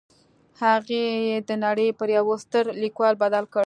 هغه يې د نړۍ پر يوه ستر ليکوال بدل کړ.